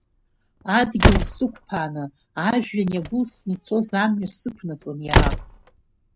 Адгьыл сықәԥааны, ажәҩан иагәылсны ицоз амҩа сықәнаҵон иара.